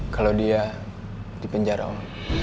kalo dia di penjara om